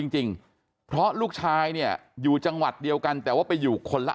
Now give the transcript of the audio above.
จริงเพราะลูกชายเนี่ยอยู่จังหวัดเดียวกันแต่ว่าไปอยู่คนละ